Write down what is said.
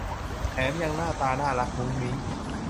แถมยังหน้าตาน่ารักมุ้งมิ้ง